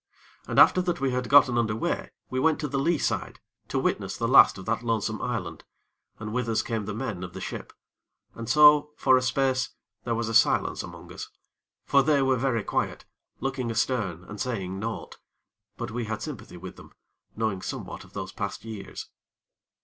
And after that we had gotten under way, we went to the lee side to witness the last of that lonesome island, and with us came the men of the ship, and so, for a space, there was a silence among us; for they were very quiet, looking astern and saying naught; but we had sympathy with them, knowing somewhat of those past years.